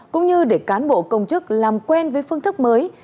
cũng như để cán bộ công chức làm quen với phương thức mới